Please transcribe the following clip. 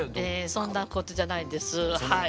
そんなことじゃないんですはい。